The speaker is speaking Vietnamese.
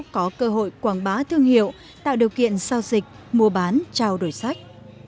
có cơ hội quảng bá thương hiệu tạo điều kiện sao dịch mua bán trao đổi sách